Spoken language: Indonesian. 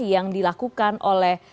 yang dilakukan oleh